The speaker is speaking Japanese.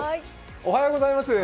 おはようございます。